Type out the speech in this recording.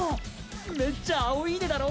めっちゃ青イイネだろ？